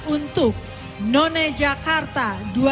untuk noni jakarta dua ribu dua puluh dua